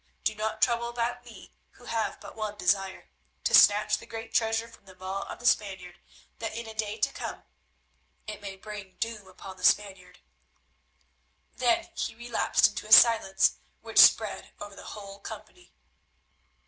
Do not trouble about me who have but one desire—to snatch the great treasure from the maw of the Spaniard that in a day to come it may bring doom upon the Spaniard." Then he relapsed into a silence, which spread over the whole company.